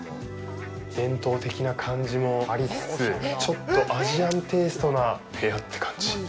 伝統的な感じもありつつ、ちょっとアジアンテイストな部屋って感じ。